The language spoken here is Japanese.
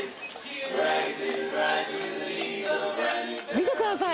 見てください